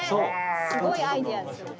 すごいアイデアですよね。